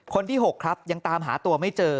คนที่๖ครับยังตามหาตัวไม่เจอ